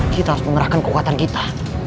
kita harus mengerahkan kekuatan kita